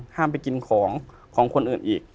ไปกินของของคนอื่นอีก